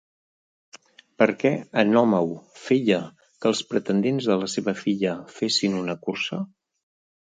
Per què Enòmau feia que els pretendents de la seva filla fessin una cursa?